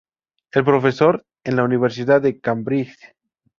Es profesor en la Universidad de Cambridge.